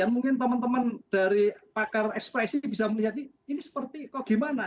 mungkin teman teman dari pakar ekspresi bisa melihat ini seperti kok gimana